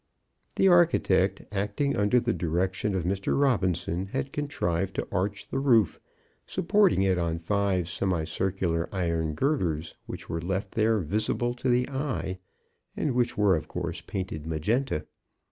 The architect, acting under the direction of Mr. Robinson, had contrived to arch the roof, supporting it on five semicircular iron girders, which were left there visible to the eye, and which were of course painted magenta.